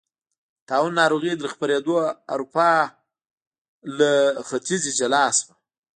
طاعون ناروغۍ تر خپرېدو اروپا له ختیځې جلا شوه.